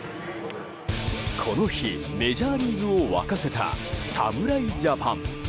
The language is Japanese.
この日メジャーリーグを沸かせた侍ジャパン。